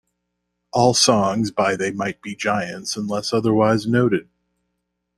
All songs by They Might Be Giants unless otherwise noted.